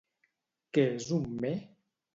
Què és un me?